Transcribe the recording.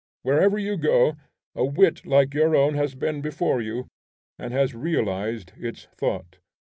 Wherever you go, a wit like your own has been before you, and has realized its thought.